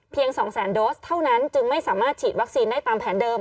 ๒แสนโดสเท่านั้นจึงไม่สามารถฉีดวัคซีนได้ตามแผนเดิม